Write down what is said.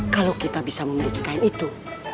kalau kita bisa memiliki kain itu